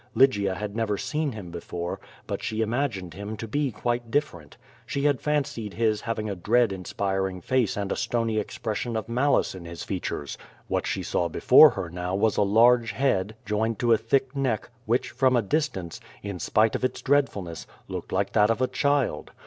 Lygia had never seen him before, but she imagined him to be quite different. She had fancied his having a dread inspiring face and a stony expression of malice in his features. What die saw beforehernow wasalarge head, joined to a thick neck, which from a distance, in spite of its dreadfulness, looked like that of a child.